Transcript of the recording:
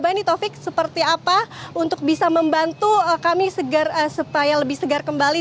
coba nih taufik seperti apa untuk bisa membantu kami segar supaya lebih segar kembali